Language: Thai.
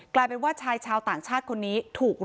กลายเป็นว่าชายชาวต่างชาติซึ่งผู้ชายใช้ชีวิตของใคร